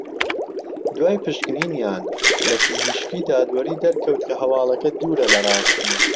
دوای پشکنینیان لە پزیشکی دادوەری دەرکەوت کە هەواڵەکە دوورە لە راستی